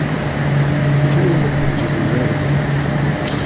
He turned the pages and read a little.